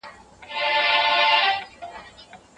ماشومان باید د کورنۍ په تصمیمونو کې برخه ولري.